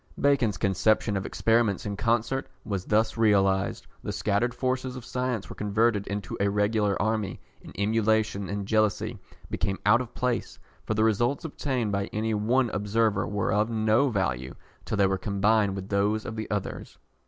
Bacon's conception of "Experiments in concert" was thus realised, the scattered forces of science were converted into a regular army, and emulation and jealousy became out of place, for the results obtained by any one observer were of no value till they were combined with those of the others.